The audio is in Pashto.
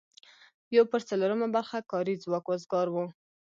یو پر څلورمه برخه کاري ځواک وزګار و.